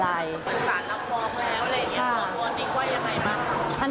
สารละครพอแล้วอะไรอย่างนี้สารละครพออันนี้ว่าอย่างไรบ้าง